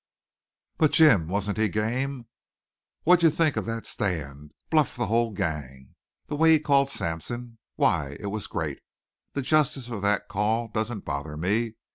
"But, Jim, wasn't he game? What'd you think of that stand? Bluffed the whole gang! The way he called Sampson why, it was great! The justice of that call doesn't bother me.